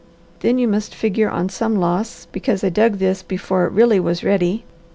Then you must figure on some loss, because I dug this before it really was ready.